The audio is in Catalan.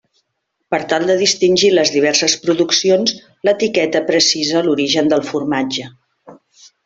Per tal de distingir les diverses produccions, l'etiqueta precisa l'origen del formatge.